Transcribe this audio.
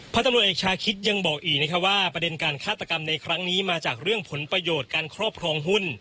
ตำรวจเอกชาคิดยังบอกอีกนะครับว่าประเด็นการฆาตกรรมในครั้งนี้มาจากเรื่องผลประโยชน์การครอบครองหุ้น